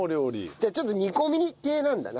じゃあちょっと煮込み系なんだな。